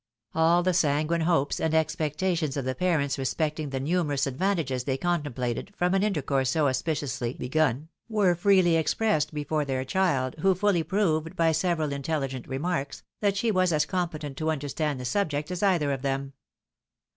AU the sanguine hopes and expectations of the parents respecting the numerous advantages they contemplated from an intercourse so auspi ciously begun were freely expressed before their child, who fully proved, by several intelligent remarks, that she was as com petent to understand the subject as either of them.